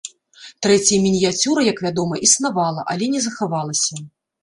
Трэцяя мініяцюра, як вядома, існавала, але не захавалася.